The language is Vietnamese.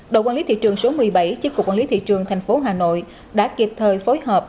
đội quản lý thị trường số một mươi bảy chức cục quản lý thị trường tp hà nội đã kịp thời phối hợp